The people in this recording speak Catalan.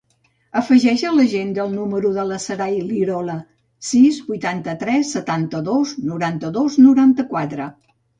Afegeix a l'agenda el número de la Saray Lirola: sis, vuitanta-tres, setanta-dos, noranta-dos, noranta-quatre.